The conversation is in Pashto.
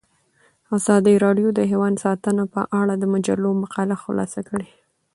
ازادي راډیو د حیوان ساتنه په اړه د مجلو مقالو خلاصه کړې.